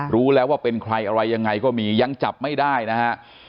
รู้แล้วว่าเป็นใครอะไรยังไงก็มียังจับไม่ได้นะฮะ